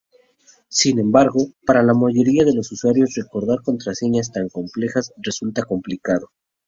Sin embargo, para la mayoría de los usuarios recordar contraseñas tan complejas resulta complicado.